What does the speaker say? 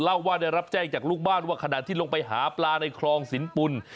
เล่าว่าได้รับแจ้งจากลูกบ้านว่าขณะที่ลงไปหาปลาในคลองสินปุ่น